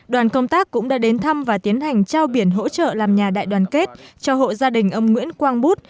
đoàn công tác cũng đã đến thăm và tiến hành trao biển hỗ trợ làm nhà đại đoàn kết cho hộ gia đình ông nguyễn quang bút